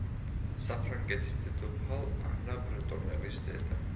საფრანგეთის დედოფალ ანა ბრეტონელის დედა.